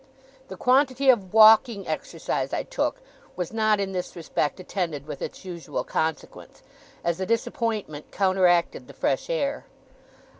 The quantity of walking exercise I took, was not in this respect attended with its usual consequence, as the disappointment counteracted the fresh air.